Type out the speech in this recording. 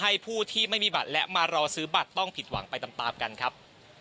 ผู้ที่ไม่มีบัตรและมารอซื้อบัตรต้องผิดหวังไปตามกันครับ